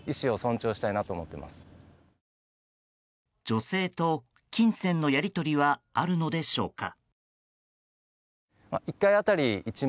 女性と金銭のやり取りはあるのでしょうか。